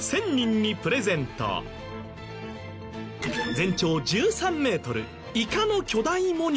全長１３メートル。